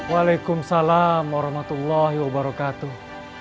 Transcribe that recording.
waalaikumsalam warahmatullahi wabarakatuh